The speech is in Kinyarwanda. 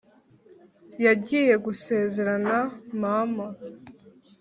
yagiye gusezerana, mama.